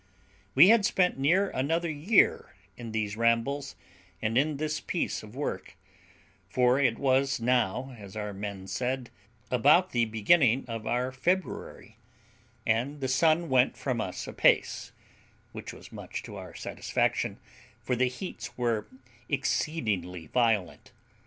We had spent near another year in these rambles, and in this piece of work; for it was now, as our men said, about the beginning of our February, and the sun went from us apace, which was much to our satisfaction, for the heats were exceedingly violent.